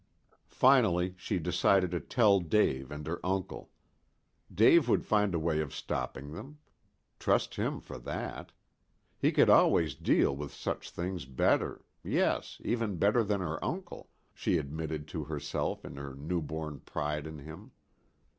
Finally she decided to tell Dave and her uncle. Dave would find a way of stopping them. Trust him for that. He could always deal with such things better yes, even better than her uncle, she admitted to herself in her new born pride in him.